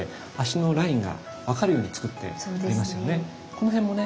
この辺もね